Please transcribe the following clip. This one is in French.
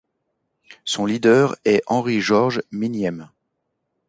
Son leader est Henri Georges Minyem.